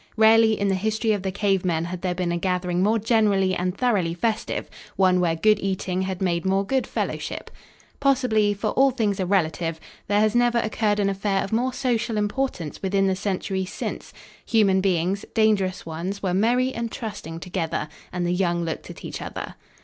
Rarely in the history of the cave men had there been a gathering more generally and thoroughly festive, one where good eating had made more good fellowship. Possibly for all things are relative there has never occurred an affair of more social importance within the centuries since. Human beings, dangerous ones, were merry and trusting together, and the young looked at each other.